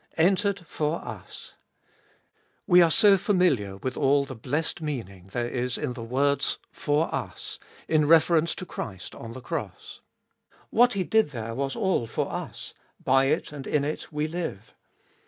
Entered for us. We are so familiar with all the blessed meaning there is in the words for us, in reference to Christ on the cross. What He did there was all for us ; by it and in it we live.